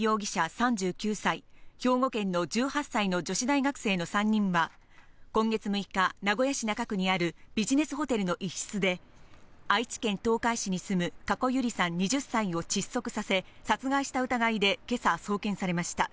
３９歳、兵庫県の１８歳の女子大学生の３人は今月６日、名古屋市中区にあるビジネスホテルの一室で、愛知県東海市に住む加古結莉さん２０歳を窒息させ、殺害した疑いで今朝、送検されました。